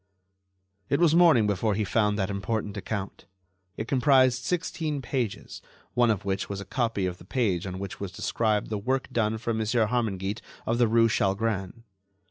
It was morning before he found that important account. It comprised sixteen pages, one of which was a copy of the page on which was described the work done for Mon. Harmingeat of the rue Chalgrin.